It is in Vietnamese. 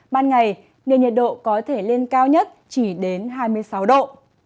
ban ngày nền nhiệt độ có thể lên cao nhất chỉ đến hai mươi sáu độ